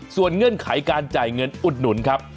ส่วนเงื่อนไขการจ่ายเงินอุดหนุนครับ